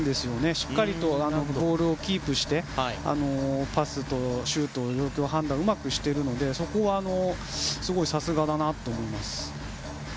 しっかりとボールをキープしてパスとシュート状況判断をうまくしているのでそこはすごいさすがだなと思います。